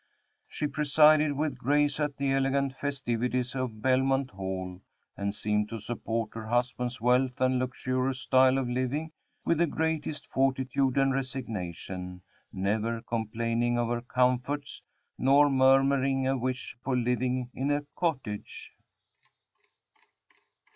She presided with grace at the elegant festivities of Belmont Hall, and seemed to support her husband's wealth and luxurious style of living with the greatest fortitude and resignation, never complaining of her comforts, nor murmuring a wish for living in a cottage.